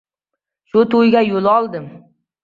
Shu to‘yga yo‘l oldim.